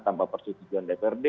tanpa persetujuan dprd